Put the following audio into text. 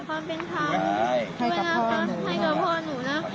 ภาพนี้ไม่ได้ไม่กี่วันเนี่ยเขามาต่อยพ่อหนู